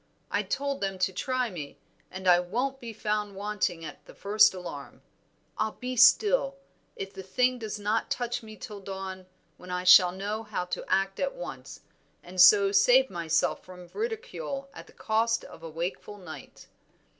I told them to try me, and I won't be found wanting at the first alarm. I'll be still, if the thing does not touch me till dawn, when I shall know how to act at once, and so save myself from ridicule at the cost of a wakeful night."